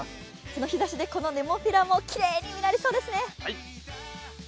その日ざしでネモフィラもきれいに見られそうですね。